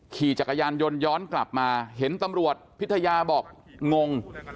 ขี่จักรยานยนต์ย้อนกลับมาเห็นตำรวจพิทยาบอกงง